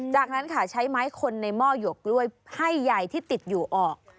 จากนั้นค่ะใช้ไม้คนในหม้อหยวกกล้วยให้ใหญ่ที่ติดอยู่ออก